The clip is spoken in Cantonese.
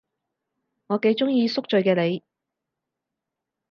我幾鍾意宿醉嘅你